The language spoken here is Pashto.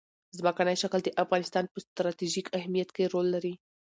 ځمکنی شکل د افغانستان په ستراتیژیک اهمیت کې رول لري.